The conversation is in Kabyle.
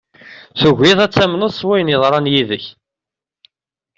Tugiḍ ad tamneḍ s wayen yeḍran yid-k.